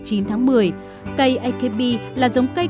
cây akb là giống cây cây